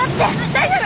大丈夫！